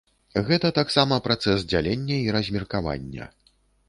Гэта таксама працэс дзялення і размеркавання.